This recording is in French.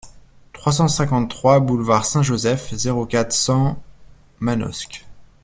trois cent cinquante-trois boulevard Saint-Joseph, zéro quatre, cent, Manosque